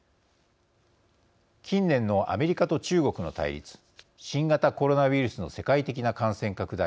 近年のアメリカと中国の対立新型コロナウイルスの世界的な感染拡大